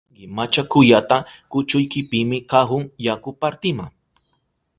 ¡Yuyanki machakuyata kuchuykipimi kahun yaku partima!